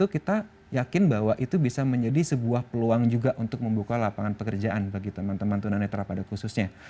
kita yakin bahwa itu bisa menjadi sebuah peluang juga untuk membuka lapangan pekerjaan bagi teman teman tunanetra pada khususnya